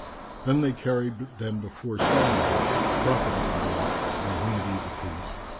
Then they carried them before Solomon, prophet of Allah (on whom be the Peace!)